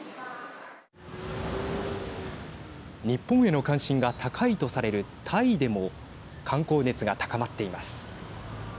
日本への関心が高いとされるタイでも観光熱が高まっています。